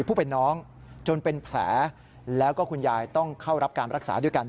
ผู้เป็นน้องจนเป็นแผลแล้วก็คุณยายต้องเข้ารับการรักษาด้วยกัน